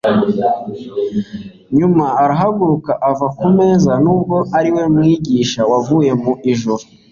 Nyuma arahaguruka ava ku meza nubwo ari we Mwigisha wavuye mu ijuru.